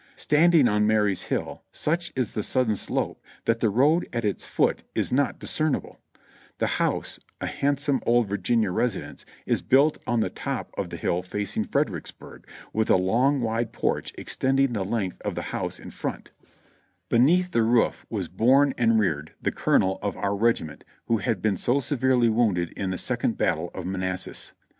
Standing on Marye's Hill such is the sudden slope that the road at its foot is not discernible; the house, a handsome old Virginia residence, is built on the top of the hill facing Fredericksburg, with a long, wide porch extending the length of the house in front; beneath the roof was born and o l6 JOHNNY REB AND BILLY YANK reared the colonel of our regiment who had been so severely wounded in the Second Battle of Manassas.